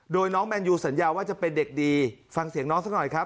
โดยน้องแมนยูสัญญาว่าจะเป็นเด็กดีฟังเสียงน้องสักหน่อยครับ